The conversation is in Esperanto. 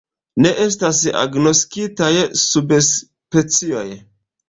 Ne estas agnoskitaj subspecioj.